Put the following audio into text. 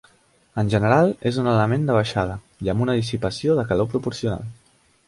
En general és un element de baixada i amb una dissipació de calor proporcional.